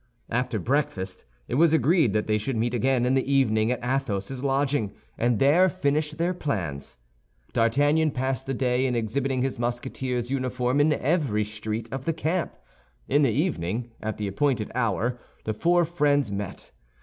After breakfast, it was agreed that they should meet again in the evening at Athos's lodging, and there finish their plans. D'Artagnan passed the day in exhibiting his Musketeer's uniform in every street of the camp. In the evening, at the appointed hour, the four friends met.